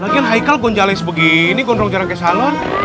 lagian haikal gonjales begini gondrong jarang kayak salon